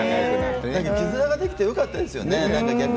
絆ができてよかったですよね。